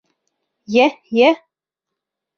Йә, йә!